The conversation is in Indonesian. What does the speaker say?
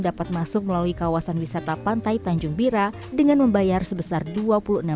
dapat masuk melalui kawasan wisata pantai tanjung bira dengan membayar sebesar dua puluh enam miliar rupiah